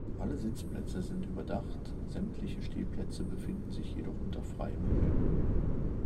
Alle Sitzplätze sind überdacht, sämtliche Stehplätze befinden sich jedoch unter freiem Himmel.